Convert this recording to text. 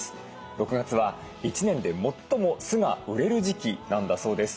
６月は一年で最も酢が売れる時期なんだそうです。